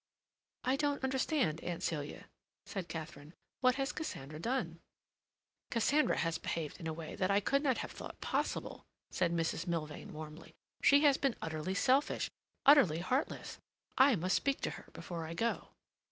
"I don't understand, Aunt Celia," said Katharine. "What has Cassandra done?" "Cassandra has behaved in a way that I could not have thought possible," said Mrs. Milvain warmly. "She has been utterly selfish—utterly heartless. I must speak to her before I go."